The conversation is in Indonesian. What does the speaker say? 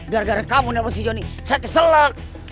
gara gara kamu nelfon si johnny saya keselak